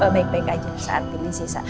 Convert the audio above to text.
baik baik aja saat ini sih